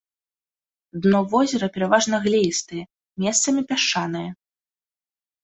Дно возера пераважна глеістае, месцамі пясчанае.